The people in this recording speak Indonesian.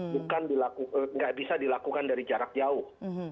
bukan dilakukan nggak bisa dilakukan dari jarak jauh